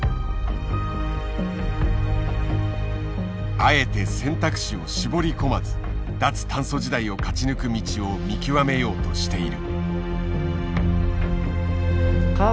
あえて選択肢を絞り込まず脱炭素時代を勝ち抜く道を見極めようとしている。